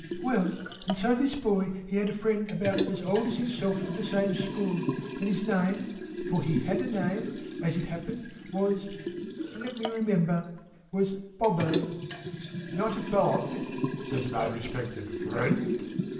"Well! And so this boy, he had a friend about as old as himself at the same school, and his name (for He had a name, as it happened) was let me remember was Bobbo." "Not Bob," says my respected friend.